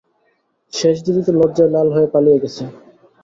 সেজদিদি তো লজ্জায় লাল হয়ে পালিয়ে গেছে।